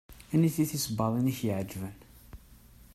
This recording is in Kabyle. Aniti tisebbaḍin i ak-iɛeǧben?